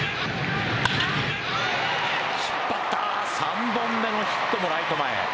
引っ張った、３本目のヒットもライト前。